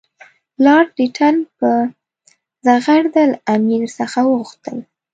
لارډ لیټن په زغرده له امیر څخه وغوښتل.